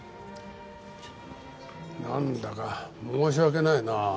なんだか申し訳ないな。